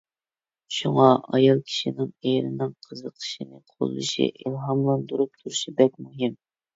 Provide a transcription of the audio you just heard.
شۇڭا ئايال كىشىنىڭ ئېرىنىڭ قىزىقىشىنى قوللىشى، ئىلھاملاندۇرۇپ تۇرۇشى بەك مۇھىم.